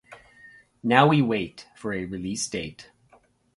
Now we wait for a release date.